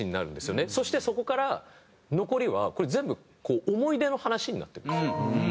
そしてそこから残りはこれ全部思い出の話になってるんですよ。